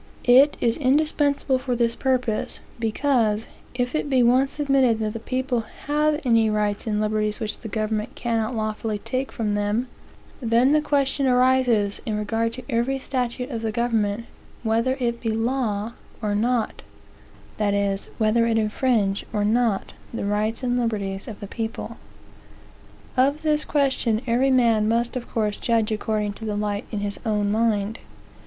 It is indispensable for this purpose, because, if it be once admitted that the people have any rights and liberties which the government cannot lawfully take from them, then the question arises in regard to every statute of the government, whether it be law, or not; that is, whether it infringe, or not, the rights and liberties of the people. Of this question every man must of course judge according to the light in his own mind.